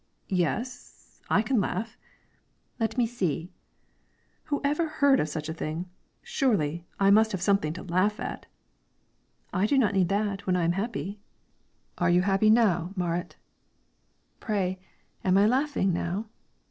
"Yes; I can laugh." "Let me see!" "Whoever beard of such a thing! Surely, I must have something to laugh at." "I do not need that when I am happy." "Are you happy now, Marit?" "Pray, am I laughing now?"